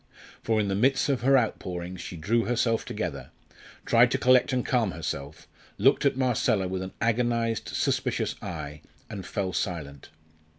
For in the midst of her out pourings she drew herself together, tried to collect and calm herself, looked at Marcella with an agonised, suspicious eye, and fell silent.